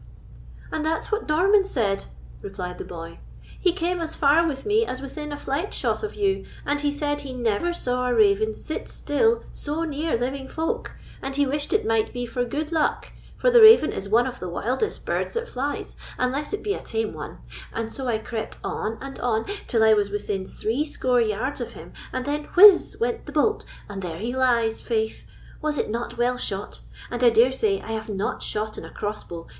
"And that's what Norman said," replied the boy; "he came as far with me as within a flight shot of you, and he said he never saw a raven sit still so near living folk, and he wished it might be for good luck, for the raven is one of the wildest birds that flies, unless it be a tame one; and so I crept on and on, till I was within threescore yards of him, and then whiz went the bolt, and there he lies, faith! Was it not well shot? and, I dare say, I have not shot in a crossbow!